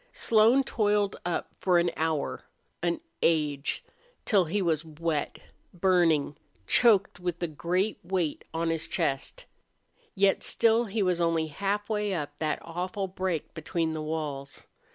Slone toiled up for an hour an age till he was wet, burning, choked, with a great weight on his chest. Yet still he was only halfway up that awful break between the walls.